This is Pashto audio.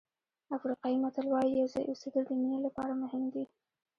افریقایي متل وایي یو ځای اوسېدل د مینې لپاره مهم دي.